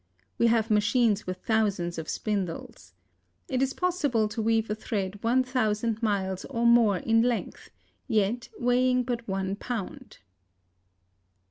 We have machines with thousands of spindles. It is possible to weave a thread one thousand miles or more in length, yet weighing but one pound.